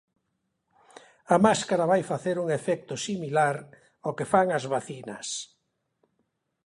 A máscara vai facer un efecto similar ao que fan as vacinas.